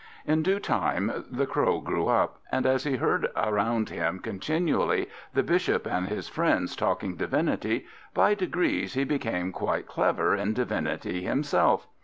In due time the Crow grew up, and as he heard around him continually the Bishop and his friends talking divinity, by degrees he became quite clever in divinity himself.